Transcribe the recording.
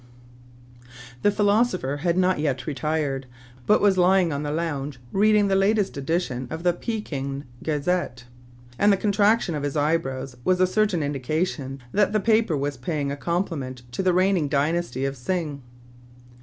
The philosopher had not yet retired, but was lying on the lounge reading the latest edition of "The Pekin Gazette;" and the contraction of his eyebrows was a certain indication that the paper was paying a compliment to the reigning dynasty of Tsing.